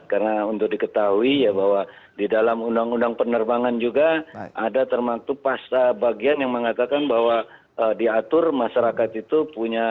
karena untuk diketahui ya bahwa di dalam undang undang penerbangan juga ada termasuk pasta bagian yang mengatakan bahwa diatur masyarakat itu punya